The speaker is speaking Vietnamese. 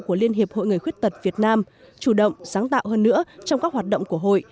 của liên hiệp hội người khuyết tật việt nam chủ động sáng tạo hơn nữa trong các hoạt động của hội